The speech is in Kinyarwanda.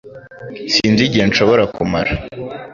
Sinzi igihe nshobora kumara